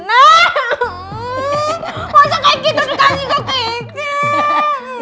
masa kiki tuh dikasih ke kiki